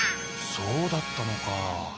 そうだったのか。